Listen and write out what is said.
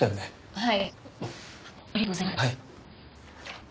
はい。